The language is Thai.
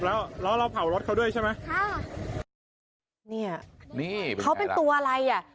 แล้วแล้วเราเผารถเขาด้วยใช่ไหมค่ะเนี่ยนี่เขาเป็นตัวอะไรอ่ะ